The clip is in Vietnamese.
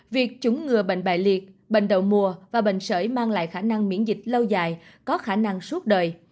việc chủng ngừa bệnh liệt bệnh đậu mùa và bệnh sởi mang lại khả năng miễn dịch lâu dài có khả năng suốt đời